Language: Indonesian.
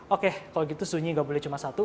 oke kalau gitu sunyi nggak boleh cuma satu